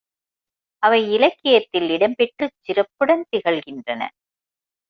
அவை இலக்கியத்தில் இடம் பெற்றுச் சிறப்புடன் திகழ்கின்றன.